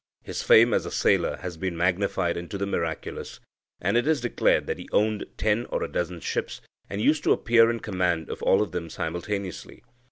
His fame as a sailor has been magnified into the miraculous, and it is declared that he owned ten or a dozen ships, and used to appear in command of all of them simultaneously.